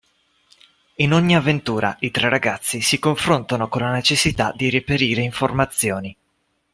In ogni avventura i tre ragazzi si confrontano con la necessità di reperire informazioni